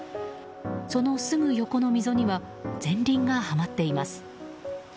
そのすぐ横の溝には前輪がはまっています。